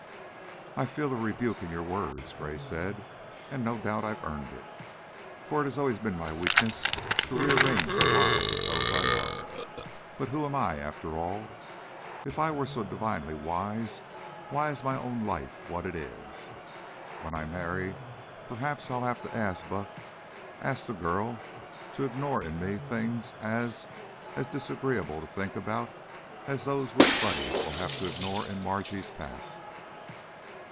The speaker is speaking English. "I feel a rebuke in your words," Gray said; "and no doubt I've earned it, for it has always been my weakness to rearrange the lives of those I love. But who am I, after all? If I were so divinely wise, why is my own life what it is? When I marry, perhaps I shall have to ask B ask the girl to ignore in me things as as disagreeable to think about as those which Buddy will have to ignore in Margie's past.